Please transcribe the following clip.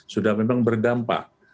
sudah memang berdampak